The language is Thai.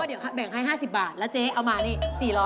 เดี๋ยวแบ่งให้๕๐บาทแล้วเจ๊เอามานี่๔๐๐